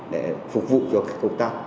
để phục vụ cho các công tác